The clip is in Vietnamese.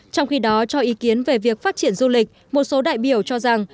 trong khi đó cho ý kiến về việc phát triển du lịch một số đại biểu cho rằng